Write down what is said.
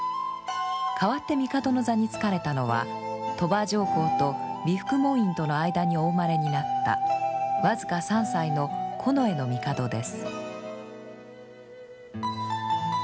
代わって帝の座につかれたのは鳥羽上皇と美福門院との間にお生まれになった僅か３歳の近衛帝です。